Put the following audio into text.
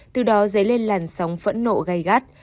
từ đó dấy lên làn sóng phẫn nộ gây gắt